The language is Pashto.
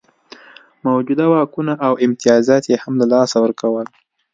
موجوده واکونه او امتیازات یې هم له لاسه ورکول.